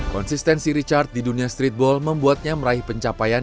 konsistensi richard di dunia streetball membuatnya meraih pencapaian